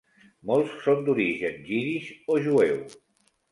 Molts són d'origen jiddisch o jueu.